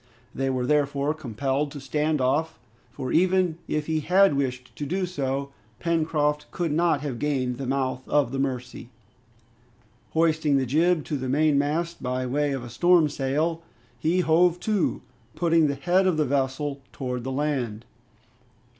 They were therefore compelled to stand off, for even if he had wished to do so, Pencroft could not have gained the mouth of the Mercy. Hoisting the jib to the mainmast by way of a storm sail, he hove to, putting the head of the vessel towards the land.